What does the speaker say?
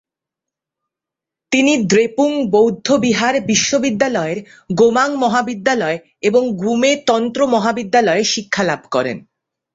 তিনি দ্রেপুং বৌদ্ধবিহার বিশ্ববিদ্যালয়ের গোমাং মহাবিদ্যালয় এবং গ্যুমে তন্ত্র মহাবিদ্যালয়ে শিক্ষালাভ করেন।